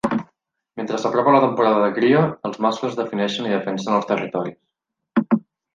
Mentre s'apropa la temporada de cria, els mascles defineixen i defensen els territoris.